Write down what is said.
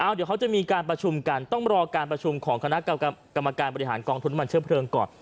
เดี๋ยวเขาจะมีการประชุมกันต้องรอการประชุมของคณะกรรมการบริหารกองทุนน้ำมันเชื้อเพลิงก่อน